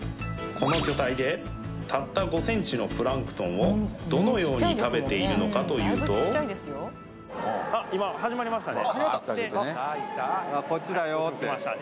この巨体でたった５ｃｍのプランクトンをどのように食べているのかというと始まった！